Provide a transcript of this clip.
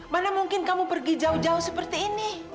mana mungkin kamu pergi jauh jauh seperti ini